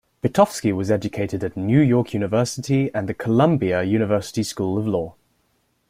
Pitofsky was educated at New York University and the Columbia University School of Law.